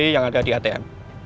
yang ada di atm